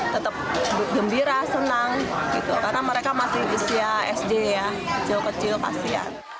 tetap gembira senang karena mereka masih usia sd ya kecil kecil kasihan